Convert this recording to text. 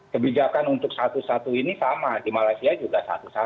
kebijakan untuk satu satu ini sama di malaysia juga satu satu